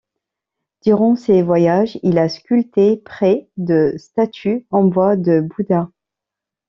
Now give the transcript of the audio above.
Durant ses voyages, il a sculpté près de statues en bois de Buddha.